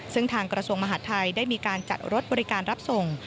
ซึ่งทางกระทรวงมหาดไทยได้มีการจัดรถบริการรับส่ง